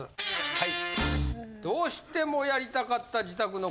はい！